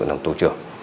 nằm tổ chức đối tượng